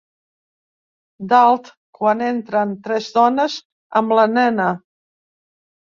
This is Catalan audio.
Dalt quan entren tres dones amb la nena.